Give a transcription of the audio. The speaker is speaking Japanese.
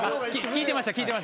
きいてました。